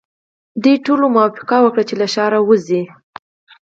دوی ټولو موافقه وکړه چې له ښاره وځي.